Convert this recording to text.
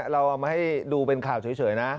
เราเอามาให้ดูเป็นข่าวเฉยนะ